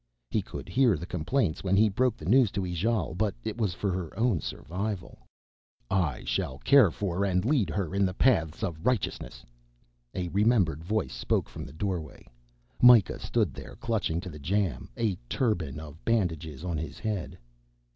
He could hear the complaints on when he broke the news to Ijale, but it was for her own survival. "I shall care for and lead her in the paths of righteousness," a remembered voice spoke from the doorway. Mikah stood there, clutching to the jamb, a turban of bandages on his head.